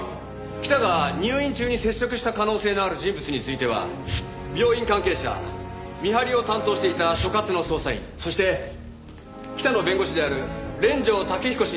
北が入院中に接触した可能性のある人物については病院関係者見張りを担当していた所轄の捜査員そして北の弁護士である連城建彦氏に聴取を行っています。